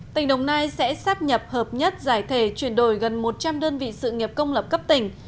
tỉnh đồng nai sẽ sắp nhập hợp nhất giải thể chuyển đổi gần một trăm linh đơn vị sự nghiệp công lập cấp tỉnh